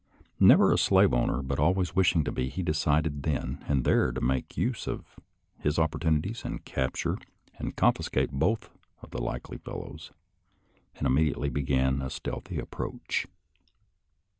Never a slave owner but always wishing to be, he decided then and there to make use of his op portunities and capture and confiscate both of the likely fellows, and immediately began a stealthy approach.